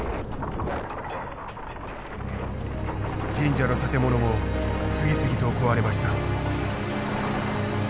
神社の建物も次々と壊れました。